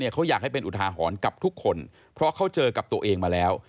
เขาอยากให้เป็นอุทาหรณ์กับทุกคนเพราะเขาเจอกับตัวเองมาแล้ว